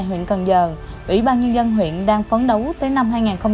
ủy ban nhân dân huyện đang phấn đấu tới năm hai nghìn hai mươi